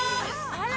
あら！